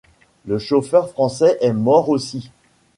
Le chauffeur français est mort aussi.